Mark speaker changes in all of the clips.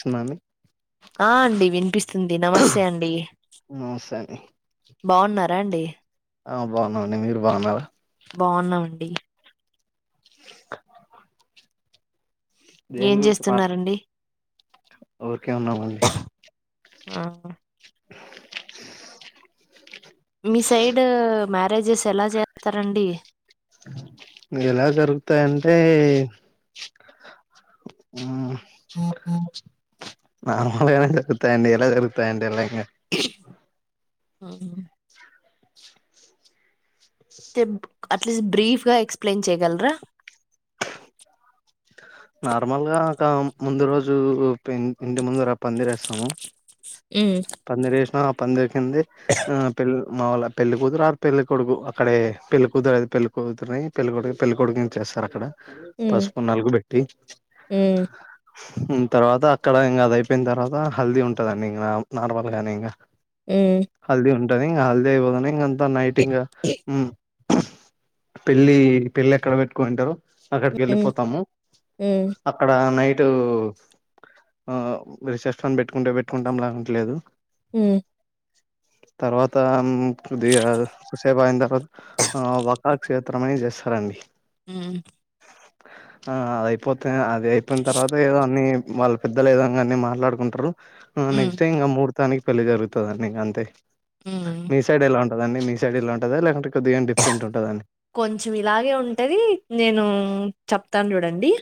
Speaker 1: తున్నాను.
Speaker 2: ఆ అండి వినిపిస్తుంది నమస్తే అండి.
Speaker 1: నమస్తే అండి
Speaker 2: బాగున్నారాండి.
Speaker 1: ఆ బాగున్నామండి. మీరు బాగున్నారా
Speaker 2: బాగున్నామండి.
Speaker 1: దేని
Speaker 2: ఏం
Speaker 1: గురించి మాట్
Speaker 2: చేస్తున్నారండి
Speaker 1: ఊరికే ఉన్నామండి.
Speaker 2: ఆహా మీ సైడ్ మ్యారేజెస్ ఎలా చేస్తారండి
Speaker 1: ఎలా జరుగుతాయ ంటే ఆ నార్మల్గానే జరుగుతాయండి ఎలా జరుగుతాయంటేలా ఇంగ
Speaker 2: అవున చెప్ అట్లీస్ట్ బ్రీఫ్గా ఎక్స్ప్లెయిన్ చేయగలరా
Speaker 1: నార్మల్గా ఒక ముందు రోజు పె ఇంటి ముందర పందిరేస్తాము.
Speaker 2: మ్మ్
Speaker 1: పందిరేసిన పందిరి కిందే ఆ పెల్ మావళ్ళ పెళ్లి కూతురు ఆర్ పెళ్లి కొడుకు అక్కడే పెళ్లికూతురది పెళ్లి కూతురుని పెళ్ళికొడుకైతే పెళ్లికొడుకుని చేస్త స్తారక్కడ
Speaker 2: మ్మ్
Speaker 1: పసుపు నల్గు పెట్టి మ్ తర్వాత అక్కడ ఇంగదయిపోయిన తర్వాత హల్దీ ఉంటదండి ఇంగ నార్మల్ గానే ఇంగ
Speaker 2: ఆ
Speaker 1: ంటది. హల్ది అయిపోతానే ఇంగంతా నైటింగ ఉమ్. పెళ్ళి పెళ్ళేక్కడ పెట్టుకోయింటారు. అక్కడి
Speaker 2: మ్మ్
Speaker 1: కెళ్ళిపోతాము.
Speaker 2: మ్మ్
Speaker 1: అక్కడ నైట్ టు ఆ రిసెప్షన్ పెట్టుకుంటే పెట్టుకుంటాం లేకుంటే లేదు.
Speaker 2: మ్.
Speaker 1: తర్వాత మ్ కొద్దిగా కోస్సెపయిన తర్వాత ఆ వక్కాకు శాస్త్రం అని చేస్తారండి.
Speaker 2: మ్.
Speaker 1: ఆ అయిపోతేనే అది అయిపోయిన తర్వాత ఏదో అన్ని వాళ్ళ పెద్దలేదంగా అని మాట్లాడుకుంటరు ఆ
Speaker 2: మ్మ్
Speaker 1: నెక్స్ట్ డే ఇంకా ముహూర్తానికి పెళ్లి జరుగుతదండి ఇంకంతే.
Speaker 2: మ్మ్
Speaker 1: మీ సైడ్ ఎలా ఉంటదండి. మీ సైడ్ ఇలా ఉంటాదా లేకుంటే కొద్దిగా డిఫరెంట్ ఉంటదండి
Speaker 2: కొంచెం ఇలాగే ఉంటది. నేను చెప్ ప్తాను చూడండి.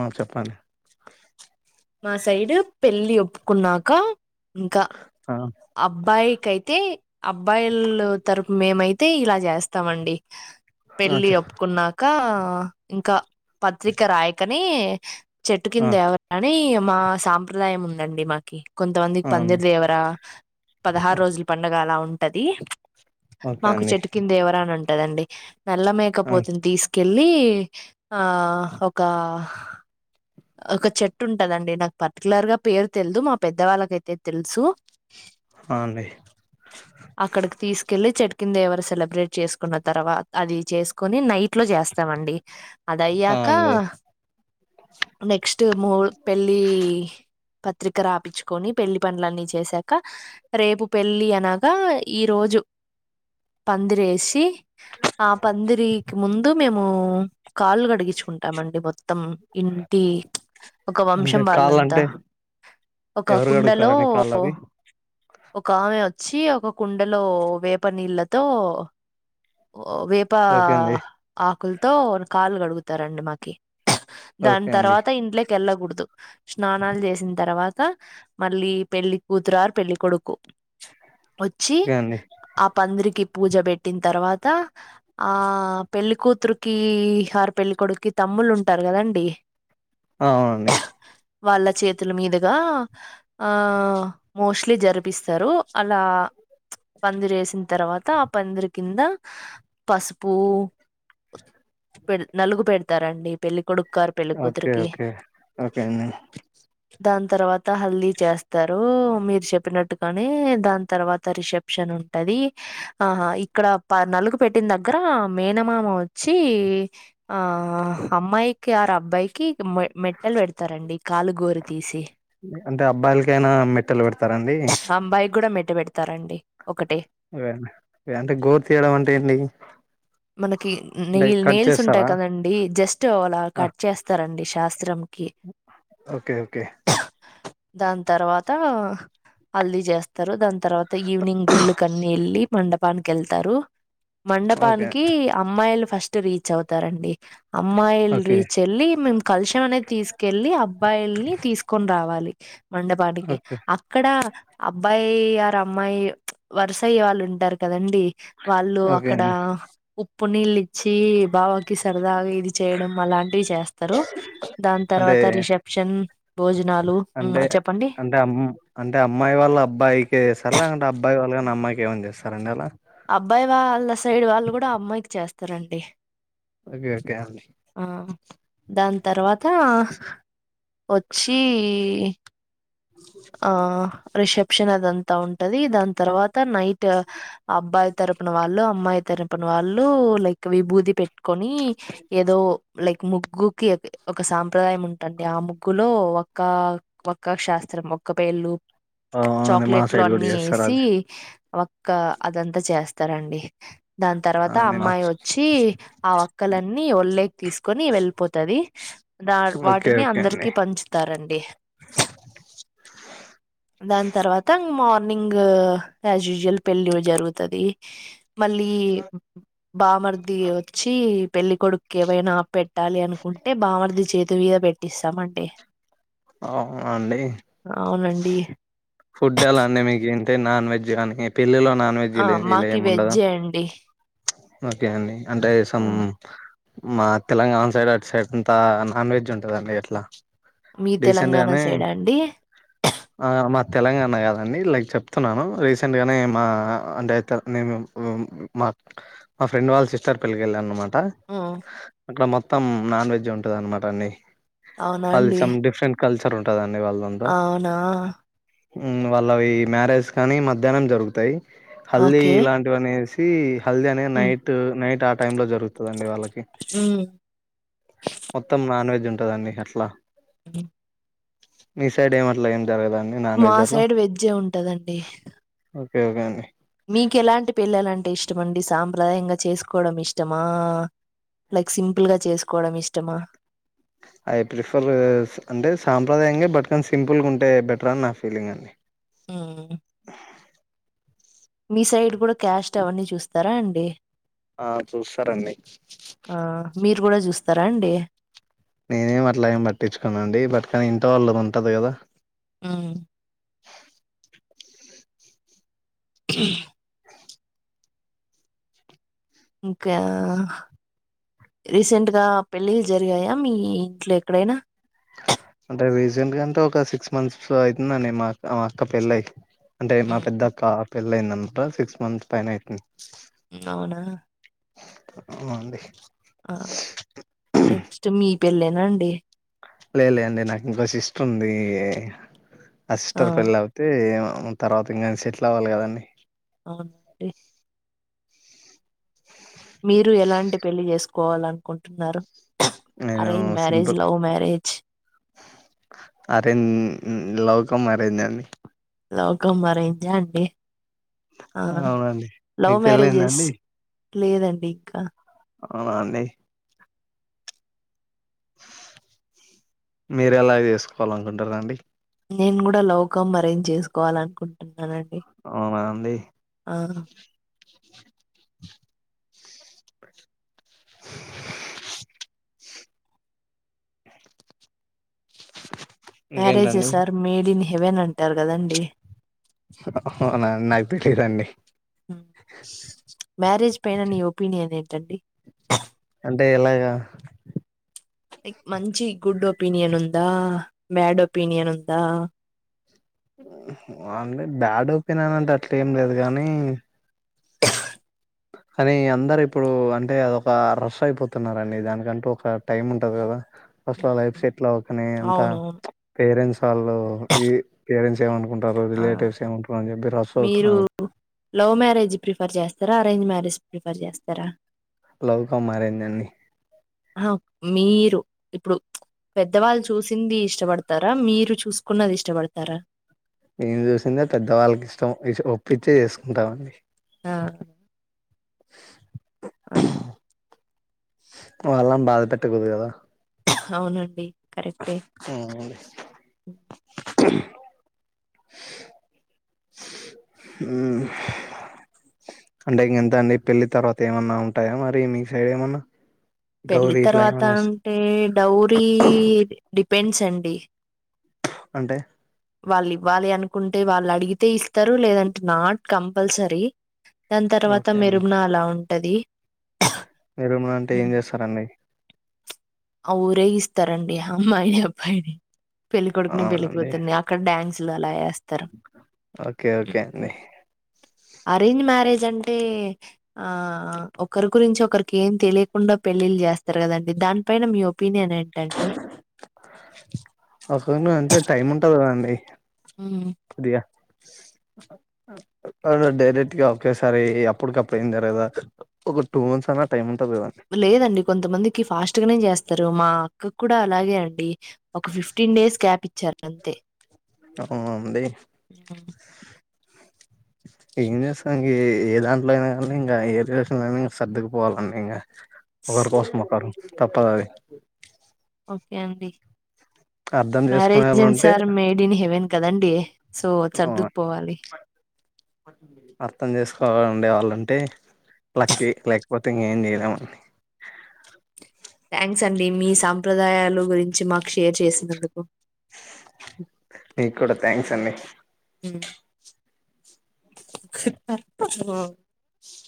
Speaker 1: ఆ చెప్పండి.
Speaker 2: మా సైడ్ పెళ్ళి ఒప్పుకున్నాక ఇంకా
Speaker 1: ఆ
Speaker 2: అబ్బాయి కయితే అబ్బాయిల్లు తరపు మేమైతే ఇలా చేస్తామండి.
Speaker 1: ఆ
Speaker 2: పెళ్ళి
Speaker 1: చెప్
Speaker 2: ఒప్పుకున్నా కా ఇంకా పత్రిక రాయకనే చెట్టు
Speaker 1: ఆ
Speaker 2: కింద కీ మా సాంప్రదాయం ఉందండి మాకి కొంతమందికి
Speaker 1: ఆ అండి
Speaker 2: పందిర్ దేవర పదహారు రోజుల పండగ అలా ఉంటది.
Speaker 1: ఓకే
Speaker 2: మాకు
Speaker 1: అండి
Speaker 2: చెట్టు కిందేవర అని ఉంటదండి.
Speaker 1: ఆ
Speaker 2: నల్లమేకపోతుని తీసుకెళ్ ళ్ళి ఆ ఒక ఒక చెట్టు ఉంటదండి. నాకు పర్టికులర్ గా పేరు తెల్దు మా పెద్దవాళ్ళకైతే తెలుసు.
Speaker 1: ఆ అండి
Speaker 2: అక్కడికి తీసుకెళ్ళి చెట్ కింద ఎవరు సెలబ్రేట్ చేసుకున్న తర్వాత అది చేసు కొని నైట్ లో చేస్తామండి
Speaker 1: ఆ
Speaker 2: అదయ్యాక
Speaker 1: అండి
Speaker 2: నెక్స్ట్ మూ పెళ్లి పత్రిక రాపిచ్చుకొని పెళ్లి పనులన్నీ చేసాక రేపు పెళ్లి అనగా ఈ రో జు పందిరేసి ఆ పందిరికి ముందు మేము కాళ్ళు కడిగించుకుంటామండి మొత్తం ఇన్ టి ఒక
Speaker 1: అంటే
Speaker 2: వంశం
Speaker 1: కాళ్ళు
Speaker 2: వాళ్ళంతా
Speaker 1: అంటే
Speaker 2: ఒక
Speaker 1: ఎవరు
Speaker 2: కుండలో
Speaker 1: కడుగుతారండి కాళ్ళు అవి
Speaker 2: ఒక ఆమె వచ్చి ఒక కుండలో వేప నీళ్ళతో వేప
Speaker 1: ఓకే అండి
Speaker 2: ఆకుల్తో కాళ్ళు కడుగుతారండి మాకి దాని
Speaker 1: ఓకే అండి
Speaker 2: తర్వాత ఇంట్లోకి వెళ్ళకూడదు స్నానాలు చేసిన తర్వా త మళ్ళీ పెళ్లికూతురు ఆర్ పెళ్లికొడుకు వచ్చి
Speaker 1: ఓకే అండి
Speaker 2: ఆ పందిరికి పూజ పెట్టిన తర్వాత ఆ పెళ్ళికూతురుకి ఆర్ పెళ్ళికొడుకి తమ్ముళ్లు ఉంటారు కదండి
Speaker 1: ఆ అవునండి
Speaker 2: వాళ్ళ చేతుల మీదుగా ఆ మోస్ట్లీ జరిపిస్తారు అలా పందిరు వేసిన తర్వాత ఆ పందిరి కింద పసుపు పెడ్ నలుగు పెడతారండి పెళ్లికొడుకు ఆర్ పెళ్
Speaker 1: ఓకే ఓకే ఓకే అండి
Speaker 2: దాని తర్వాత హల్దీ చేస్తారు మీరు చెప్పినట్టుగానే దాని తర్వాత రిసెప్షన్ ఉంటది ది ఆహా ఇక్కడ ప నలుగు పెట్టిన దగ్గర మేనమామ వచ్చి ఆ అమ్మాయికి ఆర్ అబ్బాయి మ మెట్టలు పెడతారండి కాలు గోరు తీసి
Speaker 1: అంటే అబ్బాయిలకైనా మెట్టలు పెడతారండి
Speaker 2: అబ్బాయికి కూడా మెట్ట పెడతారండి ఒకటే
Speaker 1: ఇవ అంటే గోరు తీయడం అంటే ఏంటి
Speaker 2: మనకి
Speaker 1: అంటే
Speaker 2: నెయిల్
Speaker 1: కట్
Speaker 2: నెయిల్స్ ఉంటాయి
Speaker 1: చేస్తారా
Speaker 2: కదండి జస్ట్ అలా
Speaker 1: ఆ
Speaker 2: కట్ చేస్తారు శాస్త్రం కి
Speaker 1: ఓకే ఓకే
Speaker 2: దాని తర్వాత హల్దీ చేస్తారు దాని తర్వాత ఈవినింగ్ గుళ్ళుకి అన్ని వెళ్ళి మండపానికి వెళ్తారు
Speaker 1: ఓకే
Speaker 2: మండపానికి అమ్మాయిలు ఫస్ట్ రీచ్ అవుతారండి అమ్మాయిల్
Speaker 1: ఓకే
Speaker 2: రీచ్ ఎల్లి కలషం అనేది తీసుకెళ్ళళ్ళి అబ్బాయిల్ని తీసుకొని రావాలి మండపాటికి
Speaker 1: ఓకే
Speaker 2: అక్కడ అబ్బాయి ఆరు అమ్మాయి వరుసయ్యే వాళ్ళు ఉంటారు కదండి వాళ్ళు
Speaker 1: ఓకే
Speaker 2: అక్కడ
Speaker 1: అండి
Speaker 2: పునీళ్లు ఇచ్చి బావకి సరదాగా ఇది చేయడం అలాంటివి చేస్తా దాని
Speaker 1: అంటే
Speaker 2: తర్వాత రిసెప్షన్ భోజనాలు
Speaker 1: అంటే
Speaker 2: చెప్పండి
Speaker 1: అంటే అమ్ అంటే అమ్మాయి వాళ్ళ అబ్బాయికే చేస్తారుా లేకంటే అబ్బాయి వాళ్ళ కానీ అమ్మాయికి ఏమన్నా చేస్తార అండి అలా
Speaker 2: అబ్బాయి వాళ్ళ సైడ్ వాళ్ళు కూడా అమ్మాయికి చేస్తారండి
Speaker 1: ఓకే ఓకే అండి
Speaker 2: ఆ దాని తర్వాత వచ్చి ఆ రిసెప్షన్ అదంతా ఉంటది దాని తర్వాత నైట్ అబ్బాయి తరపున వాళ్ళు అమ్మాయి తరపున వాళ్ళు లైక్ విభూతి పెట్టి కోని ఏదో లైక్ ముగ్గుకి ఒక సాంప్రదాయం ఉంటుంది ఆ ముగ్గులో ఒ ఒక్క శాస్త్రం ఒక పేళ్ళు
Speaker 1: అవునండి మా
Speaker 2: చాక్లెట్లు
Speaker 1: సైడ్ కూడా
Speaker 2: అన్ని
Speaker 1: చేస్తారు
Speaker 2: ఎసి
Speaker 1: అది
Speaker 2: ఒక్క అదంతా చేస్తారండి దాని తర్వాత
Speaker 1: అండి
Speaker 2: అమ్మాయి వచ్చి ఆ ఒక్కలన్నీ ఒళ్లేకి తీసుకొని వెళ్ళిపోతది దా
Speaker 1: ఓకే
Speaker 2: వాటిని
Speaker 1: ఓకే అండి
Speaker 2: అందరికి పంచుతారండి దాని తర్వాత మార్నింగ్ యాజ్ యూజువల్ పెళ్ళి జరుగుతది మళ్ళీ బామర్ది వచ్చి పెళ్లి కొొడుక్కు ఏవైనా పెట్టాలి అనుకుంటే బామర్ది చేతి మీద పెట్టిస్తామండి
Speaker 1: అవునా అండి
Speaker 2: అవునండి
Speaker 1: ఫుడ్ ఎలా అండి మీకు ఏంటే నాన్ వెజ్ మీ పెళ్ళిలో నాన్ వెజ్
Speaker 2: ఆ
Speaker 1: ఇలా
Speaker 2: మాకి
Speaker 1: ఎం ఉండదా
Speaker 2: వెజ్జే అండి
Speaker 1: ఓకే అండి అంటే సమ్ మా తెలంగాణ సైడ్ అటు సైడ్ అంతా నాన్ వెజ్ ఉంటదండి అట్లా
Speaker 2: మీ
Speaker 1: రీసెంట్
Speaker 2: తెలంగాణ
Speaker 1: గానే
Speaker 2: సైడా అండి
Speaker 1: ఆ మా తెలంగాణ కాదండి లైక్ చెప్తున్నాను రీసెంట్గానే మా అంటే నేను మా మా ఫ్రెండ్ వాళ్ళ సిస్టర్ పెళ్ళికి వెళ్ళ అన్నమాట ట
Speaker 2: ఆ
Speaker 1: అక్కడ మొత్తం నాన్ వెజ్ ఉంటుంద అనమాట అండి
Speaker 2: అవునా
Speaker 1: వాళ్ళది
Speaker 2: అండి
Speaker 1: సం డిఫరెంట్ కల్చర్ ఉంటదండి వాళ్ళదంతా
Speaker 2: అవునా
Speaker 1: హ్మ్ వాళ్ళవి మ్యారేజ్ కానీ మధ్యాహ్నం జరుగుతాయి హల్దీ
Speaker 2: ఓకే
Speaker 1: ఇలాంటివనేస్ హల్దీ అనే
Speaker 2: హ్మ్.
Speaker 1: నైట్ నైట్ ఆ టైమ్ లో జరుగుతుందండి వాళ్ళకి
Speaker 2: హ్మ్.
Speaker 1: మొత్తం నాన్ వెజ్ ఉంటాదడీ అట్లా
Speaker 2: అ
Speaker 1: మీ సైడ్ ఏం అట్లా ఏం జరగదండ
Speaker 2: మా సైడ్ వెజ్జే ఉంటదండి
Speaker 1: ఒకే ఒకే అండి
Speaker 2: మీకెలాంటి పిల్లలంటే ఇష్టమండి సాంప్రదాయంగా చేసుకోవడం ఇష్టమా లైక్ సింపుల్గా చేసుకోవడం ఇష్టమా
Speaker 1: ఐ ప్రిఫర్ అంటే సాంప్రదాయంగా బట్ కానీ సింపుల్ ఉంటే బెటర్ అని నా ఫీలింగ్ అండి
Speaker 2: హ్మ మీ సైడ్ కూడా క్యాష్ట్ అవన్నీ చూస్తారా అండి
Speaker 1: ఆ చూస్తారండి
Speaker 2: స్తారా అండి
Speaker 1: నేనేం అట్లాగ ఏం పట్టించుకోనండి బట్ట కని ఇంటో వాళ్ళది ఉంటది కదా
Speaker 2: హ్మ అ ఇంకా రీసెంట్గా పెళ్ళిళ్ళ జరిగాయా మీ ఇంట్లో ఎక్కడైనా
Speaker 1: అంటే రీసెంట్ గా అంటే ఒక సిక్స్ మంత్స్ అవుతుందండి మా అ మా అక్క పెళ్ళయి అంటే మా
Speaker 2: హ్మ్.
Speaker 1: పెద్దక్క పెళ్ళి అయింది అనమటా సిక్స్ మంత్స్ పైన అయితుంది
Speaker 2: అవునా
Speaker 1: అవును అండి
Speaker 2: ఆ నెక్స్ట్ మీ పెళ్ళేనా అండి
Speaker 1: లేలే అండి నాకు ఇంకో సిస్టర్ ఉంది ఆ సిస్టర్ పెళ్ళ అవుతే ఏమో తర్వాత ఇంకా సెటిల్ అవ్వాలి కదండి
Speaker 2: ఆ అండి మీరు ఎలాంటి పెళ్లిి చేసుకోవాల అనుకుంటున్నారు
Speaker 1: నేను
Speaker 2: arrange marriage
Speaker 1: simple
Speaker 2: love marriage
Speaker 1: arrange లౌకం అరేంజ్ అండి
Speaker 2: లవ్ కమ్ అరేంజ్ అండి ఆ
Speaker 1: అవునండి
Speaker 2: లవ్
Speaker 1: మీకు పెళ్ళయిందా
Speaker 2: మ్యారేజెస్
Speaker 1: అండి
Speaker 2: లేదండి ఇంకా
Speaker 1: అవునా అండి మీరెలా చేసుకోవాలి అనుకుంటున్నారండి
Speaker 2: నేను కూడా లౌకమ్ అరేంజ్ చేసుకోవాలనుకుంటున్నానండి
Speaker 1: అవునా అండి [unintelligible]
Speaker 2: మ్యారేజే
Speaker 1: ఇంకేంటండి
Speaker 2: సార్ మేడ్ ఇన్ హెవెన్ అంటారు కదండి
Speaker 1: అవునా నాకు తెలిదండి
Speaker 2: మ్యారేజ్ పైన నీ ఒపీనియన్ ఏంటండి
Speaker 1: అంటే ఎలాగా
Speaker 2: లైక్ మంచి గుడ్ ఒపీనియన్ ఉందా బ్యాడ్ ఒపీనియన్ ఉందా
Speaker 1: అంటే బ్యాడ్ ఓపన్న అంటే అట్లే ఏం లేదు కాగానీ కానీ అందరు ఇప్పుడు అంటే అదొక రష్ అయిపోతున్నడి దానికంటూ ఒక టైం ఉంటది కదా అస్సలు లైఫ్
Speaker 2: హ్మ్.
Speaker 1: సెటిల్ అవ్వకని అంత
Speaker 2: అవునవును
Speaker 1: పేరెంట్స్ వాళ్ళు ఈ పేరెంట్స్ ఏమను
Speaker 2: మీరు
Speaker 1: అవుతున్నారు
Speaker 2: లవ్ మ్యారేజ్ ప్రిఫర్ చేస్తారా అరేంజ్ మ్యారేజ ప్రిఫర్ చేస్తారా
Speaker 1: లవ్ కం అరెంజ్ అండి
Speaker 2: ఆ మీరు ఇప్పుడు పెద్దవాళ్ళు చూసింది ఇష్టపడతారా మీరు చూసుకున్నది ఇష్టపడతారా
Speaker 1: నేన్ చూసిందే పెద్దవాళ్ళకి ఇష్టం ఒప్పచ్చే చేసుకుంటామండి
Speaker 2: ఆ ఆ
Speaker 1: వాళ్ళని బాధ పెట్టకూదు కదా
Speaker 2: అవునండి కరెక్టే
Speaker 1: అ అ అంటే ఇంకెంత అండి పెల్లి తర్వాత ఏమన్నా ఉంటాయా మరి మీ సైడ్ ఏమన్నా
Speaker 2: పెళ్ళి
Speaker 1: డౌరీ ఇట్లా
Speaker 2: తర్వాత
Speaker 1: ఏమన్నా ఇస్-
Speaker 2: అంటే డౌరీ డిపెండ్స్ అండి
Speaker 1: అంటే
Speaker 2: వాళ్ళు ఇవ్వాలి అనుకుంటే వాళ్ళు అడిగితే ఇస్తారు లేదంటే నాట్ కంపల్సరీ దాని తర్వాత
Speaker 1: ఓకే అండి
Speaker 2: మెరుగున అలా ఉంటది
Speaker 1: మీరు ఏమన్నా అంటే ఏం చేస్తారండి
Speaker 2: అఊరేగిస్త స్తారండి ఆ అమ్మాయిని అబ్బాయిని పెళ్ళికొడుకుని
Speaker 1: అవునండి
Speaker 2: పెళ్ళికూతురని అక్కడ డ్యాన్సు లు అలా వేస్త
Speaker 1: ఓకే ఓకే అండి
Speaker 2: అరేంజ్ మారేజ్ ఎంటే ఆ ఒకరి గురించి ఒకరికి ఏం తెలియకుండా పెళ్ళిళ్ళ చేస్తారు కదండి దానిపైన మీ ఓప
Speaker 1: అక్క ను అంటే టైం ఉంటది కదాండి
Speaker 2: మ్మ్
Speaker 1: డియా అ డైరెక్ట్ గా ఒకేసారి అప్పటికప్పుడు ఏం జరగద్ కదా ఒక టూ మంత్స్ అన్నా టైం ఉం
Speaker 2: లేదండి కొంతమందికి ఫాస్ట్ గానే చేస్త్ తారు మా అక్కకు కూడా అలాగే అండి ఒక ఫిఫ్టీన్ డేస్ క్యాప్ ఇచ్చారు అంతే
Speaker 1: పాపం అండి
Speaker 2: హ్మ్.
Speaker 1: ఏం చేస్తాం ఏ దాంట్లో అయినా కానీ ఇంకా ఏ స్టేషన్ లో అయినా ఇంక సర్దుకుపోవాలి అండి ఇంగ ఒకరి కోసం ఒక్కరు తప్పదది
Speaker 2: ఏంది
Speaker 1: [unintelligible] చేసుకునే వాళ్ళు
Speaker 2: మ్యారేజెస్
Speaker 1: ఉంటే
Speaker 2: అర్ మేయిడ్ ఇన్ హెవెన్ కదండి సో
Speaker 1: ఆ
Speaker 2: సర్దుకుపోవాలి
Speaker 1: అర్థం చేసుకోవాలుంటే లక్కి లేకపోతే ఇంక ఏం చేయలేం
Speaker 2: థ్యాంక్స్ అండి మీ సాంప్రదాయాలు గురించి మాకు షేర్ చేసినందుకు
Speaker 1: మీక్ కూడా థ్యాంక్స్ అండి
Speaker 2: [unintelligible]